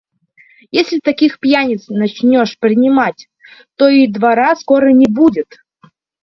Если таких пьяниц начнешь принимать, то и двора скоро не будет.